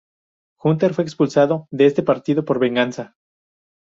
Hunter fue expulsado de este partido por venganza.